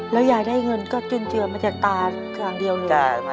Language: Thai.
แล้วยายได้เงินก็จืนเจือมาจากตาทั้งเดียวหรือ